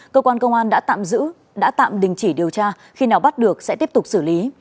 cơ quan công an đã tạm giữ đã tạm đình chỉ điều tra khi nào bắt được sẽ tiếp tục xử lý